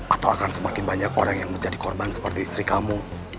atau akan semakin banyak orang yang menjadi korban seperti istri kamu